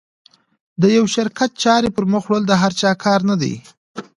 د یوه شرکت چارې پر مخ وړل د هر چا کار نه ده.